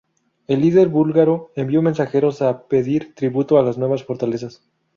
El líder búlgaro envió mensajeros a pedir tributo a las nuevas fortalezas.